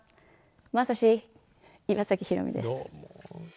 まさし岩崎宏美です。